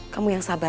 kamu yang sabar ya